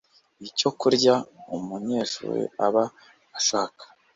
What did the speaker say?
icyo kurya umunyeshuri aba ashaka